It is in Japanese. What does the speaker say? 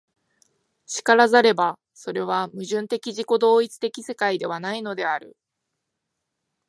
然らざれば、それは矛盾的自己同一的世界ではないのである。